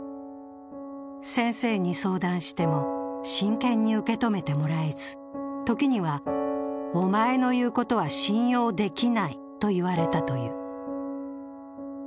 先生に相談しても真剣に受け止めてもらえず時には、お前の言うことは信用できないと言われたという。